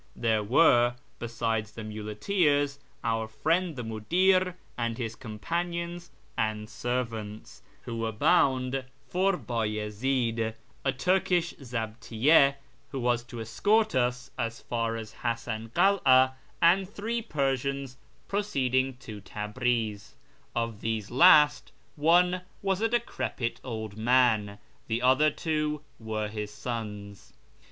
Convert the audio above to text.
There were, besides the muleteers, our friend the mucUr and his companions and servants, who were bound for Bayezid ; a Turkish zcibtiyye, who was to escort us as far as Hasan FROM ENGLAND TO THE PERSIAN FRONTIER 37 Kara ; and three Persians proceeding to Tabriz, Of these last, one was a decrepit old man ; the other two were his sons.